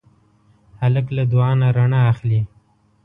هلک له دعا نه رڼا اخلي.